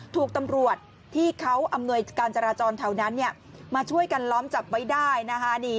ถูกตำรวจที่เขาอำนวยการจราจรแถวนั้นมาช่วยกันล้อมจับไว้ได้นะคะ